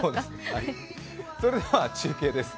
それでは中継です。